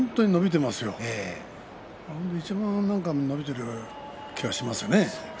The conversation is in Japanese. いちばん伸びている気がしますね。